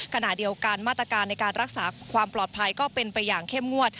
ขณะเดียวกันมาตรการในการรักษาความปลอดภัยก็เป็นไปอย่างเข้มงวด